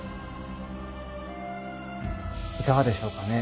いかがでしょうかね？